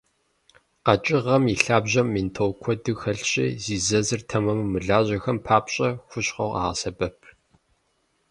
Къэкӏыгъэм и лъабжьэм ментол куэду хэлъщи, зи зэзыр тэмэму мылажьэхэм папщӏэ хущхъуэу къагъэсэбэп.